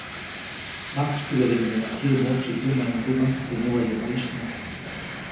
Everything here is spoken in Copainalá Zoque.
Majksykubyädiʼuŋdenaʼajk kyäʼmoʼtsi tuʼmaŋduʼmaŋ teʼ näwayomoʼisy nye.